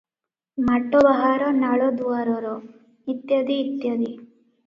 ମାଟ ବାହାର ନାଳ ଦୁଆରର - ଇତ୍ୟାଦି, ଇତ୍ୟାଦି ।